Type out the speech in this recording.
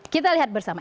kita lihat bersama